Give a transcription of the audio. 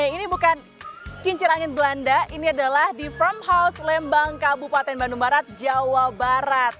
ini bukan kincir angin belanda ini adalah di from house lembang kabupaten bandung barat jawa barat